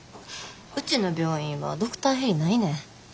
うちの病院はドクターヘリないねん。